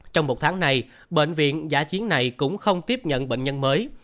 trong một tháng này bệnh viện giả chiến này cũng không tiếp nhận bệnh nhân mới